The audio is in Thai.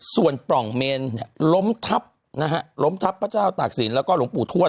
ส่วนปล่องเมนเนี่ยล้มทับนะฮะล้มทับพระเจ้าตากศิลปแล้วก็หลวงปู่ทวด